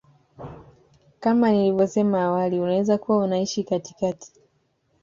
kama nilivyosema awali unaweza kuwa unaishi katikati